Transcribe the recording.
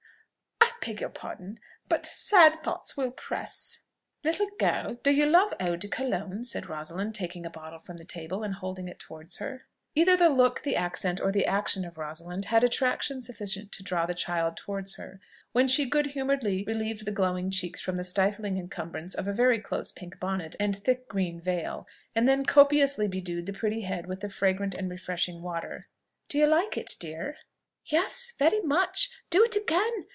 "I beg your pardon but sad thoughts will press " "Little girl, do you love eau de Cologne?" said Rosalind, taking a bottle from the table and holding it towards her. Either the look, the accent, or the action of Rosalind had attraction sufficient to draw the child towards her; when she good humouredly relieved the glowing cheeks from the stifling encumbrance of a very close pink bonnet and thick green veil, and then copiously bedewed the pretty head with the fragrant and refreshing water. "Do you like it, dear?" "Yes, very much; do it again!